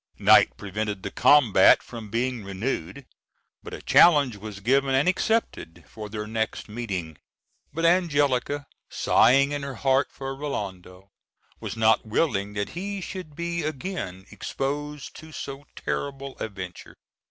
Night prevented the combat from being renewed; but a challenge was given and accepted for their next meeting. But Angelica, sighing in her heart for Rinaldo, was not willing that he should be again exposed to so terrible a venture.